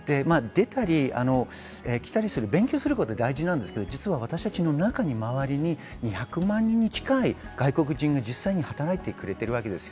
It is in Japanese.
出たり来たりする、勉強することは大事ですが、私たちの中に周りに２００万人近い外国人が実際に働いてくれているわけです。